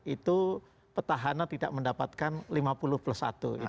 itu petahana tidak mendapatkan lima puluh plus satu